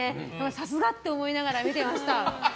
さすがって思いながら見てました。